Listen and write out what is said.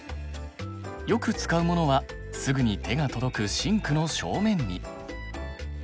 よく使うものはすぐに手が届くシンクの正面に。